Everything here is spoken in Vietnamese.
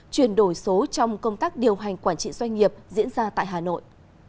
chuyển đổi số trong công tác điều hành quản trị doanh nghiệp diễn ra tại hà nội